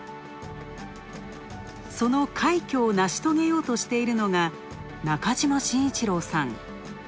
その快挙を成し遂げようとしているのが中島紳一郎さん。